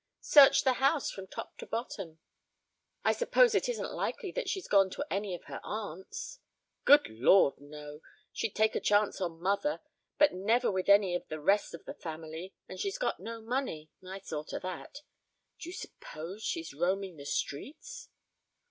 "Searched the house from top to bottom." "I suppose it isn't likely that she's gone to any of her aunts." "Good Lord, no. She'd take a chance on mother, but never with any of the rest of the family, and she's got no money. I saw to that. D'you suppose she's roaming the streets?"